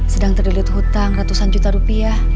sedang terdelit hutang ratusan juta rupiah